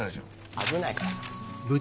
危ないからそれ。